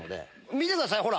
見てくださいほら！